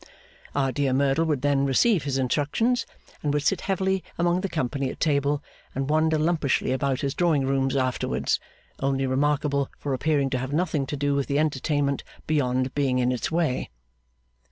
Our dear Merdle would then receive his instructions; and would sit heavily among the company at table and wander lumpishly about his drawing rooms afterwards, only remarkable for appearing to have nothing to do with the entertainment beyond being in its way.